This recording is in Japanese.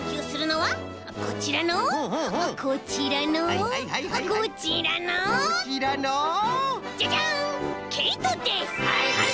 はいはい！